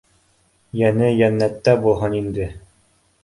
— Йәне йәннәттә булһын, инде!